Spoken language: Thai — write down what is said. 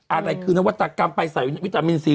อะไรคือนวัตกรรมไปใส่วิตามินซี